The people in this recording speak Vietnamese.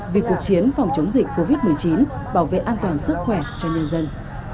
vì cuộc chiến phòng chống dịch covid một mươi chín bảo vệ an toàn sức khỏe cho nhân dân